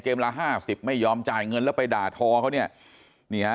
เกมละ๕๐ไม่ยอมจ่ายเงินแล้วไปด่าท้อเขาเนี่ย